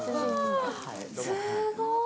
すごーい。